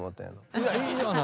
いやいいじゃない。